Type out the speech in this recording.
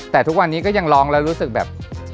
แต่ทุกวันนี้ก็ยังร้องแล้วรู้สึกแบบ